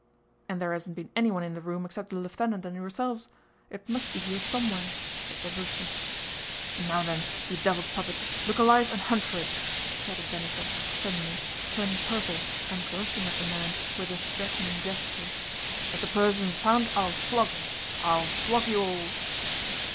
"And there hasn't been anyone in the room except the lieutenant and yourselves. It must be here somewhere," said Lavrúshka. "Now then, you devil's puppet, look alive and hunt for it!" shouted Denísov, suddenly, turning purple and rushing at the man with a threatening gesture. "If the purse isn't found I'll flog you, I'll flog you all."